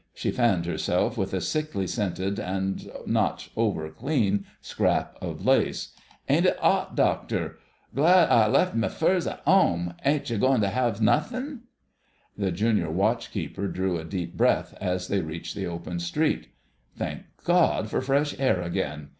She fanned herself with a sickly scented and not over clean scrap of lace. "Ain't it 'ot, Doctor! ... Glad I lef me furs at 'ome. Ain't you goin' to have nothin'...?" The Junior Watch keeper drew a deep breath as they reached the open street. "Thank God for fresh air again!"